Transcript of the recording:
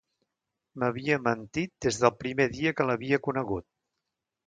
M'havia mentit des del primer dia que l'havia conegut.